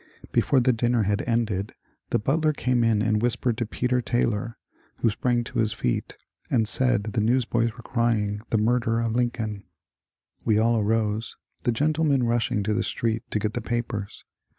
Before the dinner had ended the butler came in and whispered to Peter Taylor, who sprang to his feet and said the newsboys were crying the murder of Lin coln. We all arose, the gentlemen rushing to the street to get the papers.